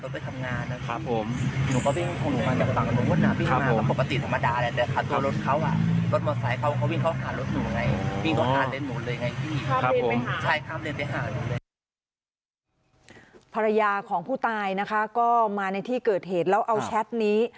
ภรรยาของผู้ตายนะคะก็มาในที่เกิดเหตุแล้วเอาแชทนี้